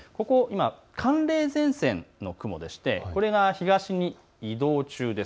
寒冷前線の雲でしてこれが東に移動中です。